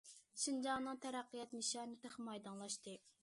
شىنجاڭنىڭ تەرەققىيات نىشانى تېخىمۇ ئايدىڭلاشتى.